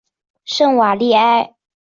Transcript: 圣瓦利埃。